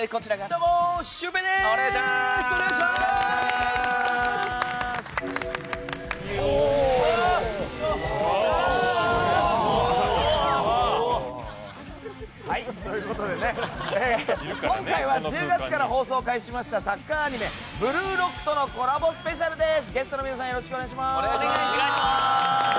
どうも、シュウペイでーす！ということで今回は１０月から放送を開始したサッカーアニメ「ブルーロック」とコラボスペシャルです。